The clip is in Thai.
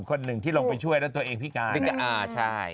คนหนึ่งที่ลงไปช่วยแล้วตัวเองพิการใช่